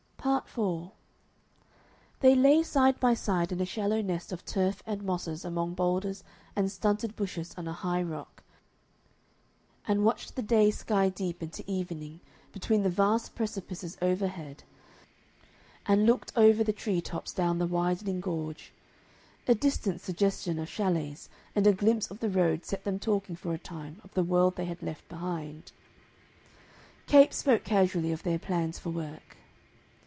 Part 4 They lay side by side in a shallow nest of turf and mosses among bowlders and stunted bushes on a high rock, and watched the day sky deepen to evening between the vast precipices overhead and looked over the tree tops down the widening gorge. A distant suggestion of chalets and a glimpse of the road set them talking for a time of the world they had left behind. Capes spoke casually of their plans for work.